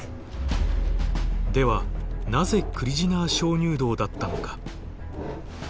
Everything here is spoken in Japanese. ではなぜクリジナー鍾乳洞だったのか？